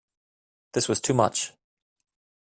This was too much.